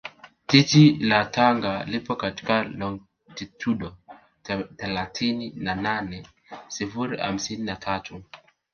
Jiji la Tanga lipo katika longitudo thelathini na nane sifuri hamsini na tatu